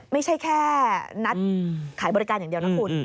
ไม่ใช่แค่นัดขายบริการอย่างเดียวนะคุณ